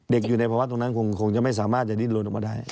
อยู่ในภาวะตรงนั้นคงจะไม่สามารถจะดิ้นลนออกมาได้